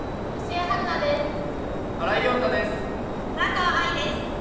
原川愛です。